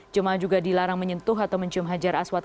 jemaah juga dilarang menyentuh atau mencium hajar aswad